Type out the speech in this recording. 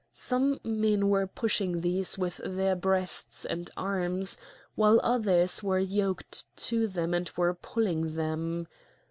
Some men were pushing these with their breasts and arms, while others were yoked to them and were pulling them.